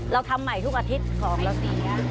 เราทำใหม่ทุกอาทิตย์ของเราเสีย